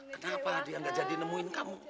kenapa dia nggak jadi nemuin kamu